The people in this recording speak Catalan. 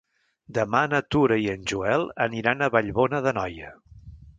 Demà na Tura i en Joel aniran a Vallbona d'Anoia.